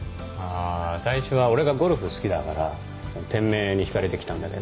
最初は俺がゴルフ好きだから店名に引かれて来たんだけど。